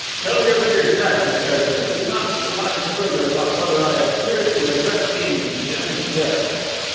Tell your readers that, if you care to, and do not surmise further about whether I appear to regret being condemned to death."